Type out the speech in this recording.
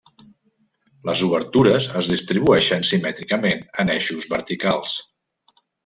Les obertures es distribueixen simètricament en eixos verticals.